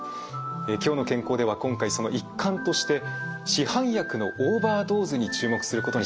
「きょうの健康」では今回その一貫として市販薬のオーバードーズに注目することにしました。